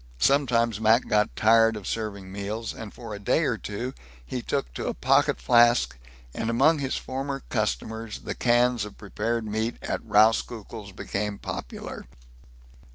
Sometimes Mac got tired of serving meals, and for a day or two he took to a pocket flask, and among his former customers the cans of prepared meat at Rauskukle's became popular.